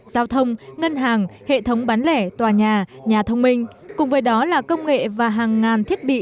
giao thông ngân hàng hệ thống bán lẻ tòa nhà nhà thông minh cùng với đó là công nghệ và hàng ngàn thiết bị